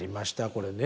これね